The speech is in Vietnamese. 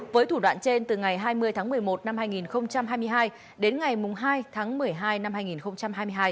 với thủ đoạn trên từ ngày hai mươi tháng một mươi một năm hai nghìn hai mươi hai đến ngày hai tháng một mươi hai năm hai nghìn hai mươi hai